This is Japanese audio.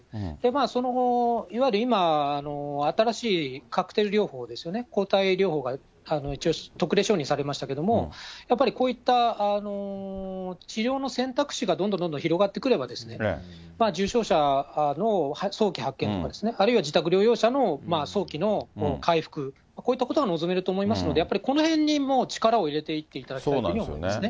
そのいわゆる今、新しいカクテル療法ですよね、抗体療法が特例承認されましたけれども、やっぱりこういった治療の選択肢がどんどんどんどん広がってくればですね、重症者の早期発見とか、あるいは自宅療養者の早期の回復、こういったことが望めると思いますけど、やっぱりこのへんにもう、力を入れていっていただきたいというふうに思いますね。